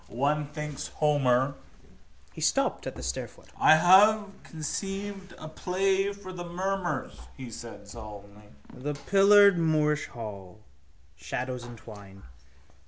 One thinks of Homer. He stopped at the stairfoot. —I have conceived a play for the mummers, he said solemnly. The pillared Moorish hall, shadows entwined.